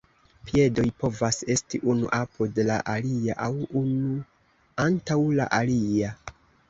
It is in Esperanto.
Piedoj povas esti unu apud la alia aŭ unu antaŭ la alia.